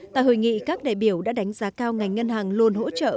tại hội nghị các đại biểu đã đánh giá cao ngành ngân hàng luôn hỗ trợ